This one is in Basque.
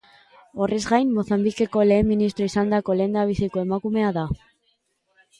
Horrez gain, Mozambikeko lehen ministro izandako lehendabiziko emakumea da.